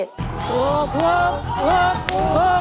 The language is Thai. โทษโทษโทษ